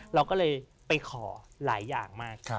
เราก็เลยไปขอหลายอย่างมาก